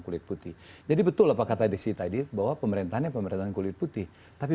kulit putih jadi betul apa kata desi tadi bahwa pemerintahnya pemerintahan kulit putih tapi